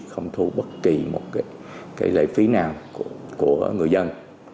không thu bất kỳ một cái lễ phí nào của người dân